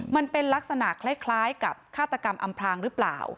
มันเป็นลักษณะคล้ายกับฆาตกรรมอำพลางหรือเปล่า